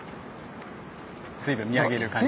随分見上げる感じに。